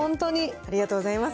ありがとうございます。